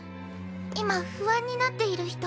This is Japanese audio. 今不安になっている人